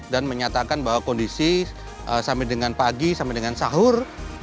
dan menyatakan bahwa kondisi sampai dengan pagi sampai dengan sahur